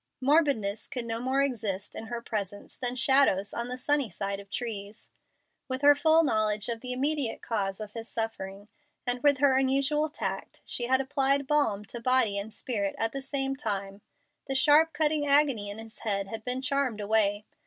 Morbidness could no more exist in her presence than shadows on the sunny side of trees. With her full knowledge of the immediate cause of his suffering, and with her unusual tact, she had applied balm to body and spirit at the same time. The sharp, cutting agony in his head had been charmed away.